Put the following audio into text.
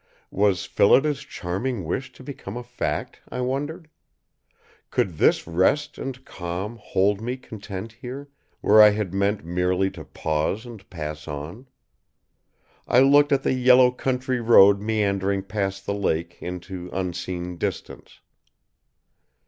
Was Phillida's charming wish to become a fact, I wondered? Could this rest and calm hold me content here, where I had meant merely to pause and pass on? I looked at the yellow country road meandering past the lake into unseen distance.